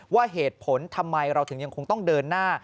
ว่าเหตุผลทำไมเราถึงยังคงต้องเดินหน้า